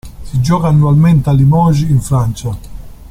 Si gioca annualmente a Limoges in Francia.